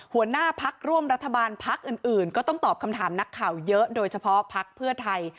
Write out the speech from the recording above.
หัวหน้าพักร่วมรัฐบาลพักอื่นก็ต้องตอบคำถามนักข่าวเยอะโดยเฉพาะพักเพื่อไทย